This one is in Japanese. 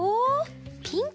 ピンク。